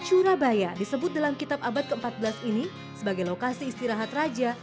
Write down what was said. surabaya disebut dalam kitab abad ke empat belas ini sebagai lokasi istirahat raja